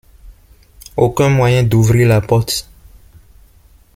Aucun moyen d’ouvrir la porte.